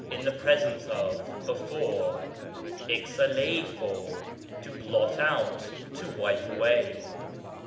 in the présence of, before. ἐξαλείφω, to blot out, to wipe away.